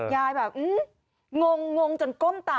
ยายแบบงงจนก้มต่ำ